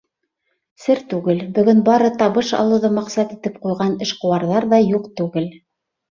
Сер түгел: бөгөн бары табыш алыуҙы маҡсат итеп ҡуйған эшҡыуарҙар ҙа юҡ түгел.